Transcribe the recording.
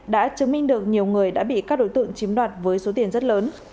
đã chứng minh được nhiều người đã bị các đối tượng chiếm đoạt với số tiền rất lớn